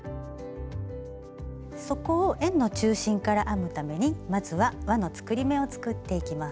底を円の中心から編むためにまずはわの作り目を作っていきます。